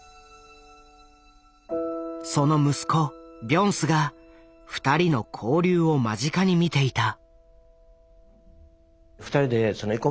その息子ビョンスが２人の交流を間近に見ていた。